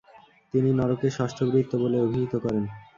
তিনি " নরকের ষষ্ঠ বৃত্ত " বলে অভিহিত করেন।